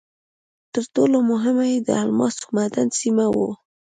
تر ټولو مهم یې د الماسو معدن سیمه وه.